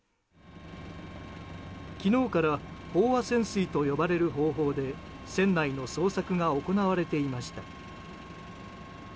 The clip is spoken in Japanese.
昨日から飽和潜水と呼ばれる方法で船内の捜索が行われていました。